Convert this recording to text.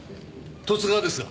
十津川ですが。